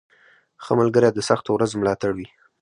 • ښه ملګری د سختو ورځو ملاتړ وي.